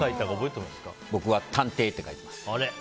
僕は探偵って書いてます。